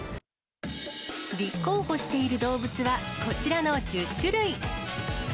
立候補している動物は、こちらの１０種類。